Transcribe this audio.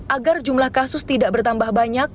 agar jumlah kasus tidak bertambah banyak